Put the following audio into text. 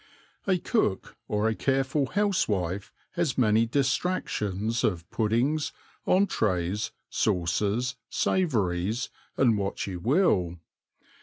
A cook or a careful housewife has many distractions of puddings, entrées, sauces, savouries, and what you will.